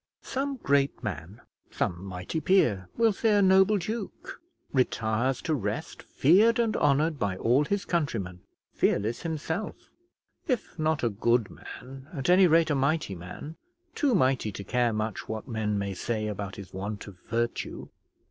Some great man, some mighty peer, we'll say a noble duke, retires to rest feared and honoured by all his countrymen, fearless himself; if not a good man, at any rate a mighty man, too mighty to care much what men may say about his want of virtue.